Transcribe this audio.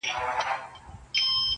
سوځېدل هم بې حکمته بې کماله نه دي یاره,